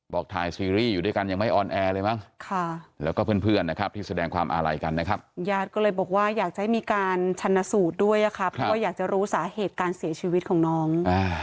บอกถ่ายซีรีส์อยู่ด้วยกันยังไม่ออนแอเลยมั้ง